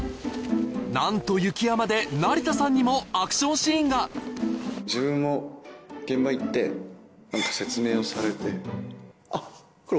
なんと雪山で成田さんにもアクションシーンが自分も現場行って何か説明をされて。